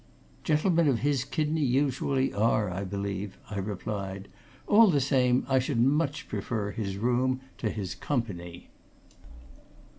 "Gentlemen of his kidney usually are, I believe," I replied. "All the same, I should much prefer his room to his company."